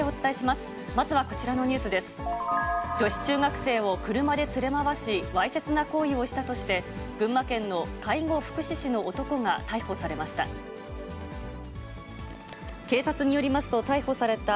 まずはこちらのニュースです、女子中学生を車で連れ回し、わいせつな行為をしたとして、群馬県の介護福祉士の男が逮捕されました。